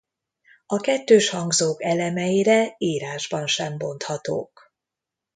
A kettőshangzók elemeire írásban sem bonthatók.